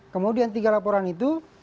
kemudian tiga laporan itu